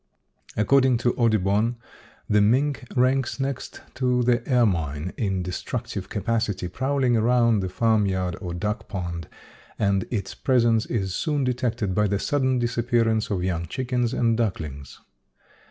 According to Audubon the mink ranks next to the ermine in destructive capacity, prowling around the farmyard or duck pond, and its presence is soon detected by the sudden disappearance of young chickens and ducklings.